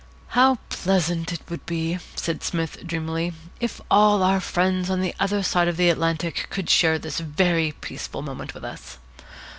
"How pleasant it would be," said Psmith dreamily, "if all our friends on the other side of the Atlantic could share this very peaceful moment with us!